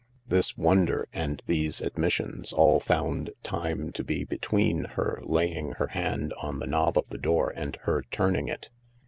This wonder and these admissions all found time to be between her laying her hand on the knob of the door and her turning it.